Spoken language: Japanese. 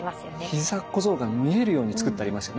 ひざ小僧が見えるようにつくってありますよね。